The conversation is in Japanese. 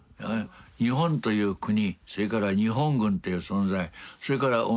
日本という国それから日本軍という存在それから己ですね